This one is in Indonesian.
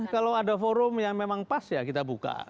kalau ada forum yang memang pas ya kita buka